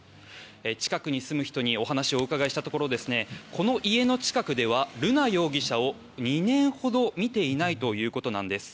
近くに住む人にお話を伺ったところこの家の近くでは瑠奈容疑者を２年ほど見ていないということです。